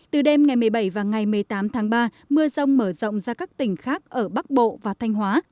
từ đêm ngày một mươi bảy và ngày một mươi tám tháng ba mưa rông mở rộng ra các tỉnh khác ở bắc bộ và thanh hóa